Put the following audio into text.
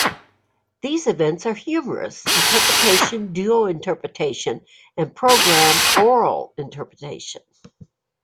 These events are Humorous Interpretation, Duo Interpretation, and Program Oral Interpretation.